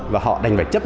và họ đành phải trả lời